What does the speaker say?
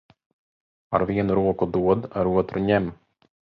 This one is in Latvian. Ar vienu roku dod, ar otru ņem.